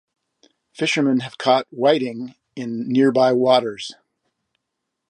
Fishermen have caught whiting in nearby waters.